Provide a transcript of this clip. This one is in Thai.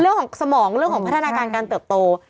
เรื่องของสมองเรื่องของพัฒนาการการเติบโต